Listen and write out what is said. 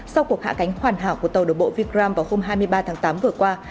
sau cuộc hạ cánh hoàn hảo của tàu đổ bộ vikram vào hôm hai mươi ba tháng tám vừa qua